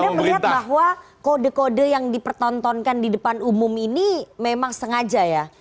anda melihat bahwa kode kode yang dipertontonkan di depan umum ini memang sengaja ya